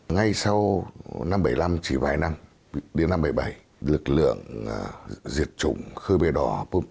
ngay sau năm một nghìn chín trăm bảy mươi năm chỉ vài năm đến năm một nghìn chín trăm bảy mươi bảy lực lượng diệt chủng khơi bề đỏ